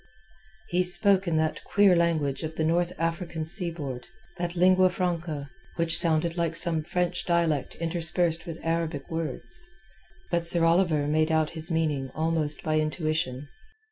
He spoke in that queer language of the North African seaboard, that lingua franca, which sounded like some French dialect interspersed with Arabic words. But Sir Oliver made out his meaning almost by intuition.